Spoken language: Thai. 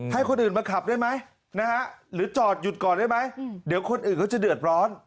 ให้คนอื่นมาขับได้ไหมนะฮะหรือจอดหยุดก่อนได้ไหมเดี๋ยวคนอื่นเขาจะเดือดร้อน